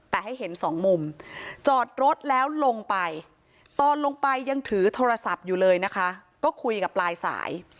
แต่ให้เห็นสองมุมจอดรถแล้วลงไปตอนลงไปยังถือโทรศัพท์อยู่เลยนะคะก็คุยกับปลายสาย